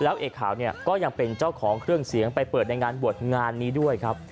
แล้วเอกขาวเนี่ยก็ยังเป็นเจ้าของเครื่องเสียงไปเปิดในงานบวชงานนี้ด้วยครับ